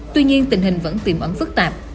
tuy nhiên tình hình vẫn tiềm ẩn phức tạp